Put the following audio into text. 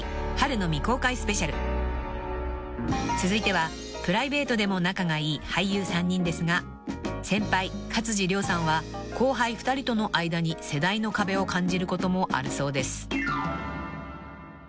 ［続いてはプライベートでも仲がいい俳優３人ですが先輩勝地涼さんは後輩２人との間に世代の壁を感じることもあるそうです］